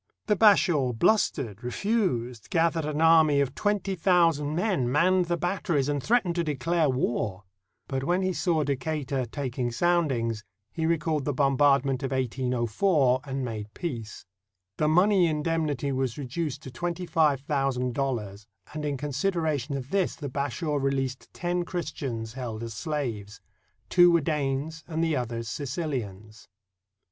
The Bashaw blustered, refused, gathered an army of twenty thousand men, manned the batteries, and threatened to declare war. But when he saw Deca tur taking soundings, he recalled the bombardment of 1804 and made peace. The money indemnity was reduced to twenty five thousand dollars, and in consid eration of this the Bashaw released ten Christians held as slaves. Two were Danes and the others Sicilians.